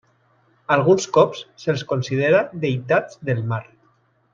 Alguns cops se'ls considera deïtats del mar.